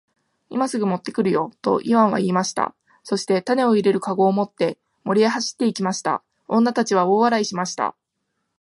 「今すぐ持って来るよ。」とイワンは言いました。そして種を入れる籠を持って森へ走って行きました。女たちは大笑いしました。